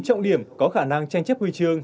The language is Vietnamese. trọng điểm có khả năng tranh chấp huy chương